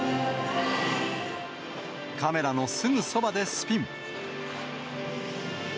カメラのすぐそばでスピン。